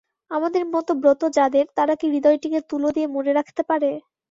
আমাদের মতো ব্রত যাদের, তারা কি হৃদয়টিকে তুলো দিয়ে মুড়ে রাখতে পারে?